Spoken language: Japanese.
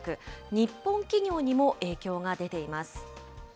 日本企業にも影響が出ています。